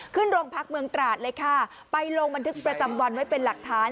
ขึ้นโรงพักเมืองตราดเลยค่ะไปลงบันทึกประจำวันไว้เป็นหลักฐาน